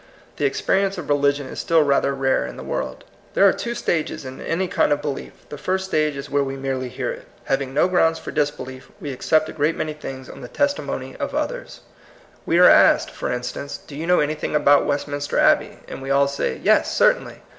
The experience of religion is still rather rare in the world. There are two stages in any kind of belief. The first stage is where we merely hear it. Having no grounds for disbelief, we accept a great many things on the testi THE HAPPY LIFE. 198 mony of others. We are asked, for in stance, ^Do you know anything about Westminster Abbey?" and we all say, " Yes, certainly."